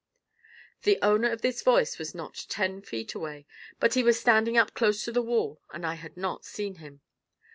The owner of this voice was not ten feet away, but he was standing up close to the wall and I had not seen him.